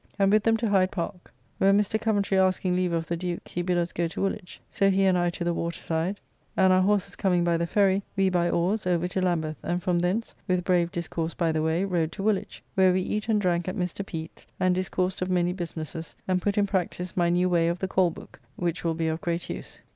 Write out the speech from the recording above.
And with them to Hide Park. Where Mr. Coventry asking leave of the Duke, he bid us go to Woolwich. So he and I to the waterside, and our horses coming by the ferry, we by oars over to Lambeth, and from thence, with brave discourse by the way, rode to Woolwich, where we eat and drank at Mr. Peat's, and discoursed of many businesses, and put in practice my new way of the Call book, which will be of great use.